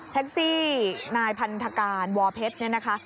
แท็กซี่นายพันธการวอเพชรเนี่ยนะคะ